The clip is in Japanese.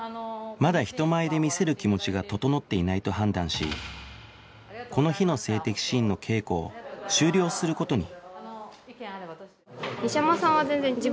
まだ人前で見せる気持ちが整っていないと判断しこの日の性的シーンの稽古を終了する事に